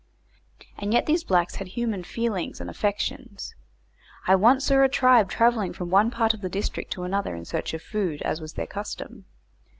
And yet these blacks had human feelings and affections. I once saw a tribe travelling from one part of the district to another in search of food, as was their custom.